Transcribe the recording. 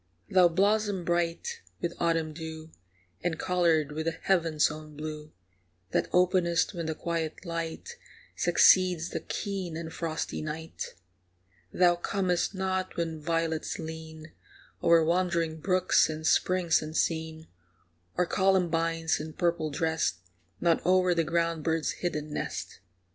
Thou blossom bright with autumn dew, And coloured with the heaven's own blue, That openest when the quiet light Succeeds the keen and frosty night. Thou comest not when violets lean O'er wandering brooks and springs unseen, Or columbines, in purple dressed, Nod o'er the ground bird's hidden nest.